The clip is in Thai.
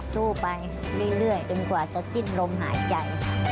สู้ไปเรื่อยเดี๋ยวกว่าจะจิ้นลมหายใจ